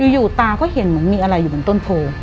อยู่ตาเค้าเห็นเหมือนมีอะไรอยู่ในต้นพู